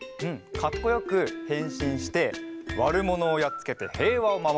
かっこよくへんしんしてわるものをやっつけてへいわをまもる！